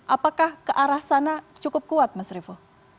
apakah kearah sana cukup kuat mas trevo